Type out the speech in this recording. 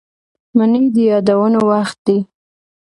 منی د یادونو وخت دی